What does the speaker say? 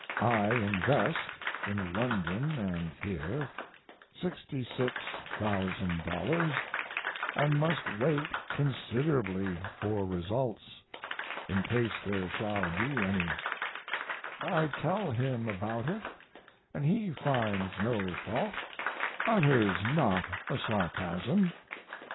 I invest (in London and here) $66,000 and must wait considerably for results (in case there shall be any). I tell him about it and he finds no fault, utters not a sarcasm.